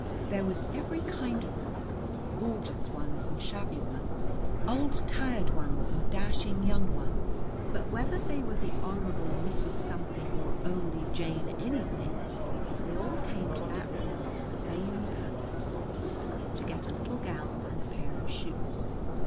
There was every kind of them, gorgeous ones and shabby ones, old tired ones and dashing young ones, but whether they were the Honorable Mrs. Something or only Jane Anything, they all came to that room for the same purpose: to get a little gown and a pair of shoes.